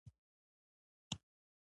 تربګنیو سبب شوي دي.